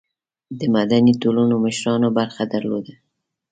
د مدني ټولنو مشرانو برخه درلوده.